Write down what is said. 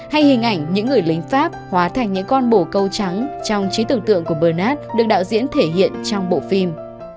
hay hình ảnh những người lính pháp hóa thành những con bồ câu trắng trong trí tưởng tượng của bernat được đạo diễn thể hiện trong bộ phim